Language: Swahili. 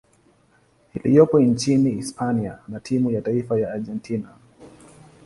iliyopo nchini Hispania na timu ya taifa ya Argentina.